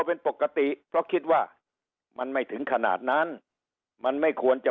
เป็นปกติเพราะคิดว่ามันไม่ถึงขนาดนั้นมันไม่ควรจะ